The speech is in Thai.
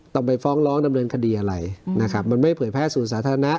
ต้องไปฟ้องร้องดำเนินคดีอะไรนะครับมันไม่เผยแพร่ส่วนสาธารณะ